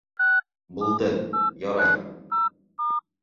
— Булды, ярай.